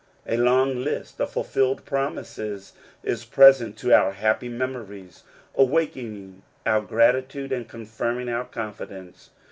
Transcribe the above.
A long list of fulfilled promises is present to our happy memories, awakening our gratitude and confirming our confidence.